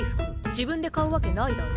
自分で買うわけないだろ。